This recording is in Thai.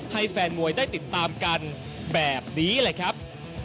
ให้แฟนมวยได้ติดตามกันแบบนี้เลยครับ